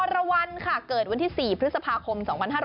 รวรรณค่ะเกิดวันที่๔พฤษภาคม๒๕๕๙